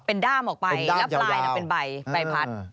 เป็นด้ามออกไปแล้วปลายเป็นใบพัด